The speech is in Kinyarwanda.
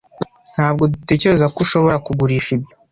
Ntabwo dutekereza ko ushobora kugurisha ibyo.